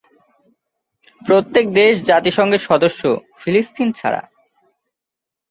প্রত্যেক দেশ জাতিসংঘের সদস্য, ফিলিস্তিন ছাড়া।